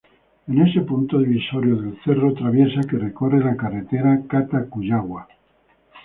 Es en ese punto divisorio del Cerro Traviesa que recorre la carretera Cata-Cuyagua.